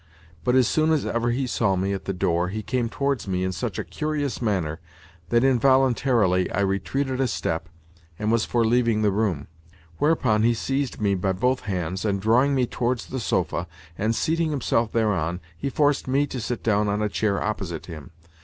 But as soon as ever he saw me at the door he came towards me in such a curious manner that involuntarily I retreated a step, and was for leaving the room; whereupon he seized me by both hands, and, drawing me towards the sofa, and seating himself thereon, he forced me to sit down on a chair opposite him.